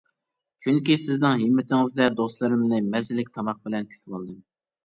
چۈنكى سىزنىڭ ھىممىتىڭىزدە دوستلىرىمنى مەززىلىك تاماق بىلەن كۈتۈۋالدىم.